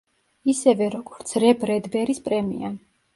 ისევე როგორც რე ბრედბერის პრემია.